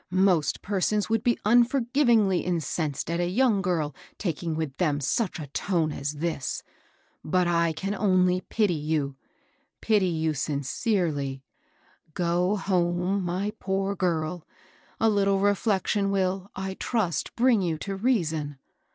Moi^ persons wDoM be vmS&rpym^f inc^snsed alt a young girl taking with them such a tone as thk; b«t I can oiJy pity you, pity yon sfecerely. Go liome, my poor girl I A little ii^fletttion will, I trast, brkig you to reaison.